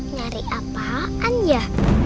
nyari apaan ya